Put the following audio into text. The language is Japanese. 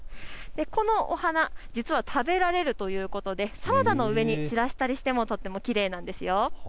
このお花、実は食べられるということでサラダの上に散らしたりしてもとてもきれいなんです。